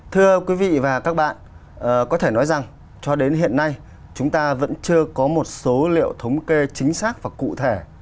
thưa quý vị và các bạn có thể nói rằng cho đến hiện nay chúng ta vẫn chưa có một số liệu thống kê chính xác và cụ thể